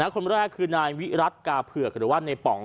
คนแรกคือนายวิรัติกาเผือกหรือว่าในป๋อง